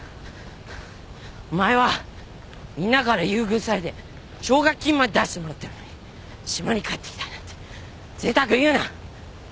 お前はみんなから優遇されて奨学金まで出してもらうってのに島に帰ってきたいなんてぜいたく言うな！